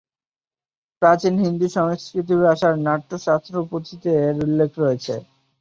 প্রাচীন হিন্দু সংস্কৃত ভাষার "নাট্য শাস্ত্র" পুঁথিতে এর উল্লেখ রয়েছে।